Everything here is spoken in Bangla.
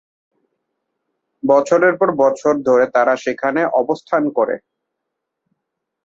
বছরের পর বছর ধরে তারা সেখানে অবস্থান করে।